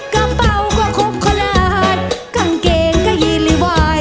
กระเป๋าก็ครบขนาดกางเกงก็ยีริวาย